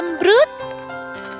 dan seribu mawar zamanku